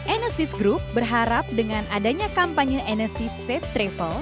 enesis group berharap dengan adanya kampanye energi safe travel